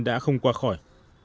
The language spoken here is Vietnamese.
đã không qua khỏi